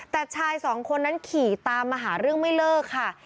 แต่ชายสองคนนั้นขี่ตามมาหาเรื่องไม่เลิกค่ะ